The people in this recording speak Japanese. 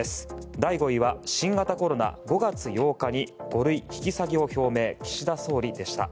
第５位は新型コロナ、５月８日五類引き下げを表明、岸田総理。